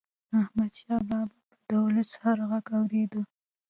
احمدشاه بابا به د ولس هر ږغ اورېده.